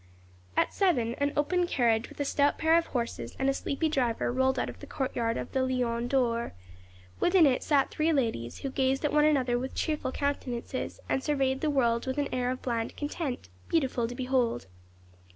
At seven, an open carriage with a stout pair of horses and a sleepy driver rolled out of the court yard of the Lion d'Or. Within it sat three ladies, who gazed at one another with cheerful countenances, and surveyed the world with an air of bland content, beautiful to behold.